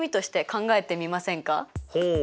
ほう。